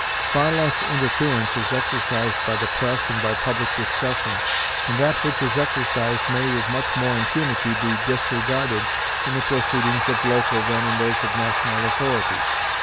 Far less interference is exercised by the press and by public discussion, and that which is exercised may with much more impunity be disregarded in the proceedings of local than in those of national authorities.